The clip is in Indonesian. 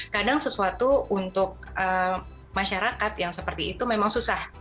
kadang sesuatu untuk masyarakat yang seperti itu memang susah